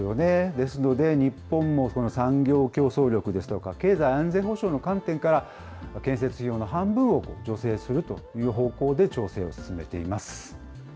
ですので日本もこの産業競争力ですとか、経済安全保障の観点から、建設費用の半分を助成するという方向で調整を進めています。